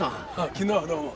昨日はどうも。